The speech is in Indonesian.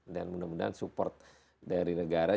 dan mudah mudahan support dari negara